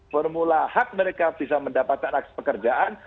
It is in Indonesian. formula hak mereka bisa mendapatkan akses pekerjaan